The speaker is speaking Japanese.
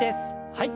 はい。